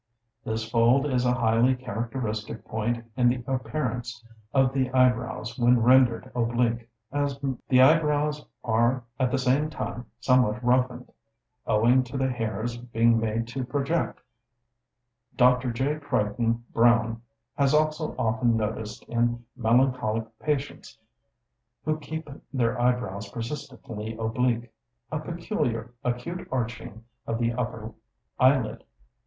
This fold is a highly characteristic point in the appearance of the eyebrows when rendered oblique, as may be seen in figs. 2 and 5, Plate II. The eyebrows are at the same time somewhat roughened, owing to the hairs being made to project. Dr. J. Crichton Browne has also often noticed in melancholic patients who keep their eyebrows persistently oblique, "a peculiar acute arching of the upper eyelid."